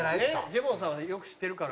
ジモンさんはよく知ってるから。